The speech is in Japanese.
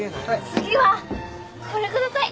次はこれください。